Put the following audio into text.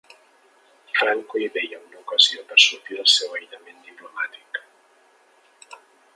Franco hi veia una ocasió per sortir del seu aïllament diplomàtic.